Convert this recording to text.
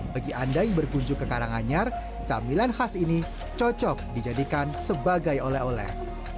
bagi anda yang berkunjung ke karanganyar camilan khas ini cocok dijadikan sebagai oleh oleh